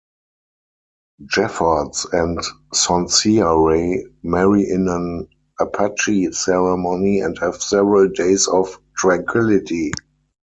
Jeffords and Sonseeahray marry in an Apache ceremony and have several days of tranquility.